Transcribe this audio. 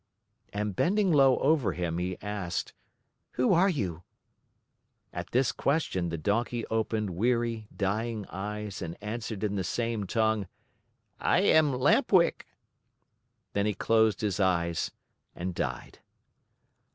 And bending low over him, he asked: "Who are you?" At this question, the Donkey opened weary, dying eyes and answered in the same tongue: "I am Lamp Wick." Then he closed his eyes and died.